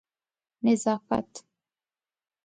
نظافت